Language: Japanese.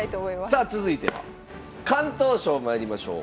さあ続いては敢闘賞まいりましょう。